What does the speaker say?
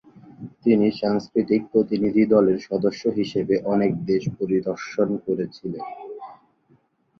তিনি সাংস্কৃতিক প্রতিনিধি দলের সদস্য হিসাবে অনেক দেশ পরিদর্শন করেছিলেন।